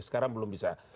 sekarang belum bisa